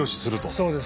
そうです。